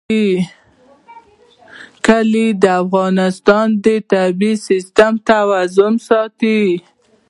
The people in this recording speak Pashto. کلي د افغانستان د طبعي سیسټم توازن ساتي.